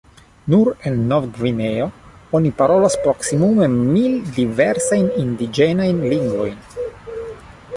Nur en Nov-Gvineo oni parolas proksimume mil diversajn indiĝenajn lingvojn.